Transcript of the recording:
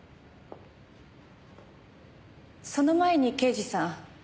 その前に刑事さん。